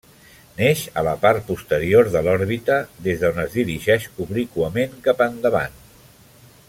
Neix a la part posterior de l'òrbita, des d'on es dirigeix obliquament cap endavant.